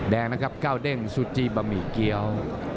แดงนะครับก้าวเด้งซูจีบะหมี่เกี้ยว